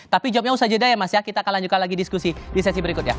tapi jawabnya usaha jeda ya mas ya kita akan lanjutkan lagi diskusi di sesi berikutnya